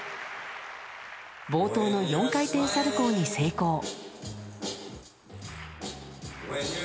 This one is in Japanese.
冒頭の４回転サルコーに成功。